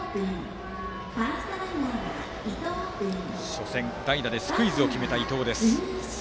初戦、代打でスクイズを決めた伊藤。